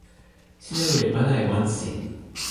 sina wile pana e wan sin.